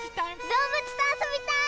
どうぶつとあそびたい！